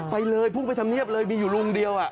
ไปเลยพุ่งไปทำเนียบเลยมีอยู่ลุงเดียว